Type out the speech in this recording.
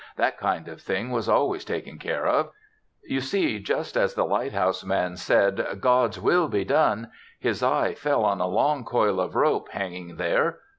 That kind of thing was always taken care of. You see just as the lighthouse man said "God's will be done," his eye fell on a long coil of rope, hanging there.